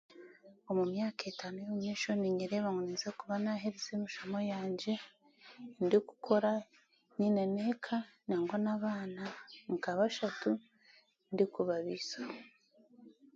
Omu myaka etaano ey'omumaisho ninyereeba ngu ninyija kuba naaherize emishomo yangye, ndikukora, nyine n'eka, nangwa n'abaana nka bashatu ndikubabiisaho.